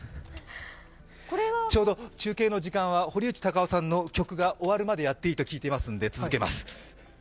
ちょうど中継の時間は堀内孝雄さんの曲が終わるまでやっていいと聞いていますので、やっていきます。